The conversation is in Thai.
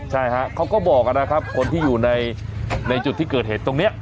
ใช่ฮะเขาก็บอกนะครับคนที่อยู่ในจุดที่เกิดเหตุตรงนี้